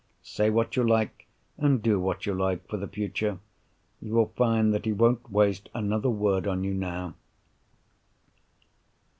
Say what you like, and do what you like, for the future. You will find that he won't waste another word on you now."